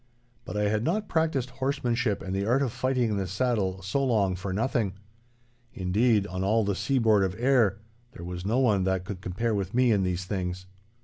But I had not practised horsemanship and the art of fighting in the saddle so long for nothing. Indeed, on all the seaboard of Ayr there was no one that could compare with me in these things.